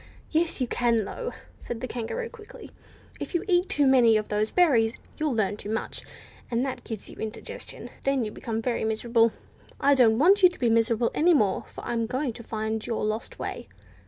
"Yes you can, though," said the Kangaroo, quickly. "If you eat too many of those berries, you'll learn too much, and that gives you indigestion, and then you become miserable. I don't want you to be miserable any more, for I'm going to find your lost way."